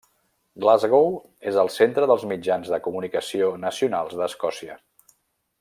Glasgow és el centre dels mitjans de comunicació nacionals d'Escòcia.